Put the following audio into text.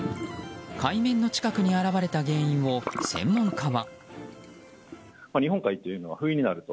海面の近くに現れた原因を専門家は。